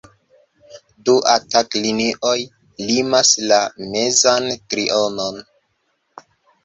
Du „atak-linioj“ limas la mezan trionon.